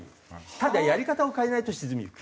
ただやり方を変えないと沈みゆく。